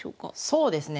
そうですね